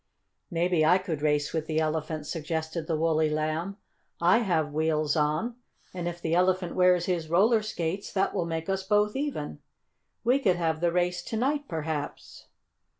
"Maybe I could race with the Elephant," suggested the woolly Lamb. "I have wheels on, and if the Elephant wears his roller skates that will make us both even. We could have the race to night, perhaps."